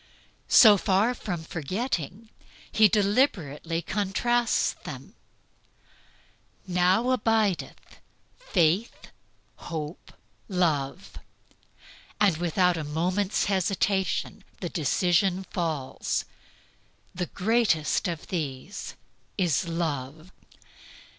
So far from forgetting, he deliberately contrasts them, "Now abideth Faith, Hope, Love," and without a moment's hesitation the decision falls, "The greatest of these is Love."